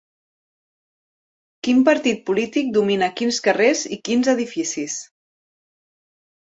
Quin partit polític domina quins carrers i quins edificis